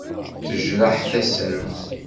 Tejreḥ tasa-w.